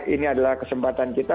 ini adalah kesempatan kita